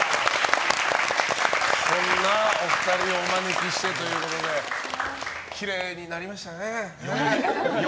そんなお二人をお招きしてということできれいになりましたね。